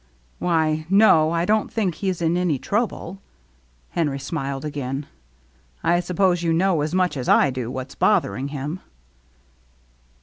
"Why, no, I don't think he's in any trouble." Henry smiled again. " I suppose you know as much as I do what's bothering him."